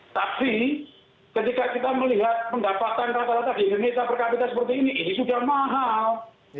tapi ketika kita melihat pendapatan rata rata di indonesia per kapita seperti ini sudah mahal